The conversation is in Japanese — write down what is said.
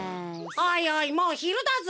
おいおいもうひるだぞ！